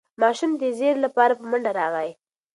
ماشوم د زېري لپاره په منډه راغی.